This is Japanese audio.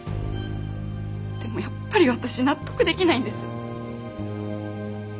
でもやっぱり私納得できないんです。